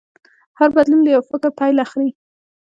هر بدلون له یو فکر پیل اخلي.